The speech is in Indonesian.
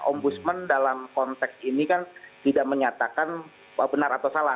ombudsman dalam konteks ini kan tidak menyatakan benar atau salah